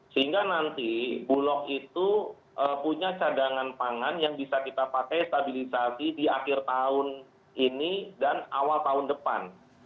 sehingga nanti bulog itu punya cadangan pangan yang bisa kita pakai stabilisasi di akhir tahun ini dan awal tahun depan